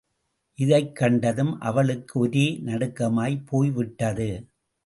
இதைக் கண்டதும், அவளுக்கு ஒரே நடுக்கமாகப் போய்விட்டது.